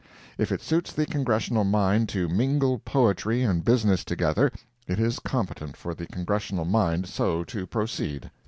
If it suits the Congressional mind to mingle poetry and business together, it is competent for the Congressional mind so to proceed.